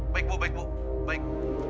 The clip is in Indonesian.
baik bu baik bu baik